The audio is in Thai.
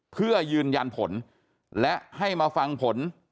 เพื่อยืนยันผลและให้มาฟังผล